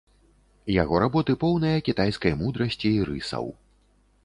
Яго работы поўныя кітайскай мудрасці і рысаў.